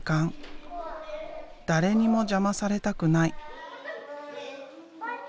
誰にも邪魔されたくない。